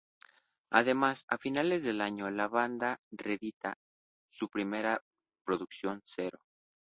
Además a finales de año, la banda reedita su primera producción, Cero.